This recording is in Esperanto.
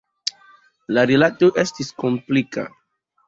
La rilato estis komplika.